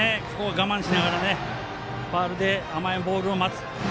我慢しながらファウルで甘いボールを待つ。